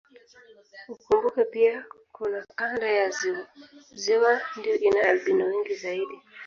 Ukumbuke pia kuwa kanda ya ziwa ndio ina albino wengi zaidi